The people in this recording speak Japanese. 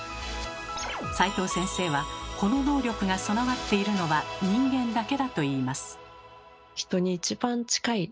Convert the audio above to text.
齋藤先生はこの能力が備わっているのは人間だけだと言います。